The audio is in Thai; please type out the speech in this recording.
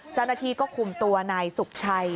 เจ้าหน้าที่ก็คุมตัวนายสุขชัย